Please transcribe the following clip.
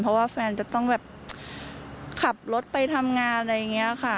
เพราะว่าแฟนจะต้องแบบขับรถไปทำงานอะไรอย่างนี้ค่ะ